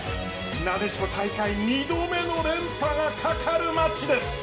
なでしこ、大会２度目の連覇がかかるマッチです。